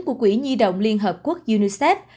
của quỹ nhi động liên hợp quốc unicef